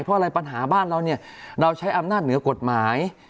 เพราะอะไรปัญหาบ้านเราเนี่ยเราใช้อำนาจเหนือกฎหมาย